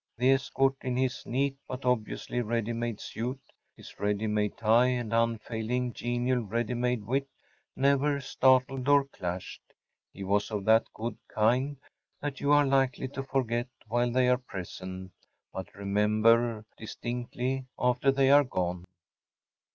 The escort, in his neat but obviously ready made suit, his ready made tie and unfailing, genial, ready made wit never startled or clashed. He was of that good kind that you are likely to forget while they are present, but remember distinctly after they are gone.